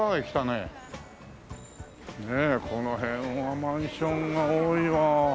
ねえこの辺はマンションが多いわ。